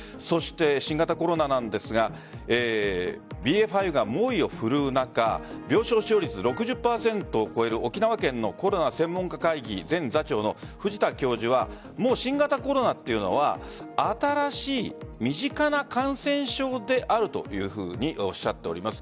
新型コロナなんですがＢＡ．５が猛威を振るう中病床使用率６０％を超える沖縄県のコロナ専門家会議前座長の藤田教授はもう新型コロナは新しい身近な感染症であるというふうにおっしゃっております。